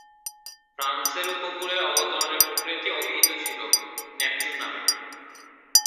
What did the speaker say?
ফ্রান্সের উপকূলে অবতরণের প্রক্রিয়াটি অভিহিত ছিল "নেপচুন" নামে।